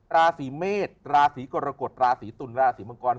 ราศีเมษราศีกรกฎราศีตุลราศีมังกร